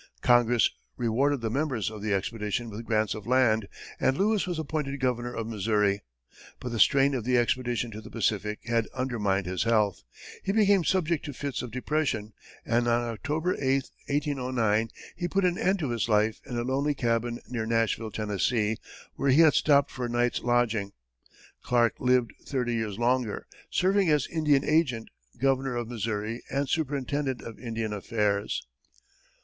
Congress rewarded the members of the expedition with grants of land, and Lewis was appointed governor of Missouri. But the strain of the expedition to the Pacific had undermined his health; he became subject to fits of depression, and on October 8, 1809, he put an end to his life in a lonely cabin near Nashville, Tennessee, where he had stopped for a night's lodging. Clark lived thirty years longer, serving as Indian agent, governor of Missouri, and superintendent of Indian affairs.